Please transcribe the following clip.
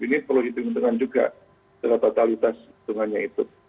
ini perlu dihitung dengan juga totalitas hitungannya itu